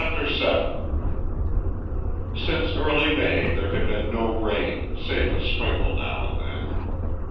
"_ VII SINCE early May there had been no rain save a sprinkle now and then.